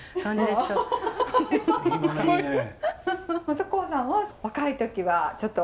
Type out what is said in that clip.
酒向さんは若い時はちょっと？